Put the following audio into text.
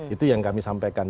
itu yang kami sampaikan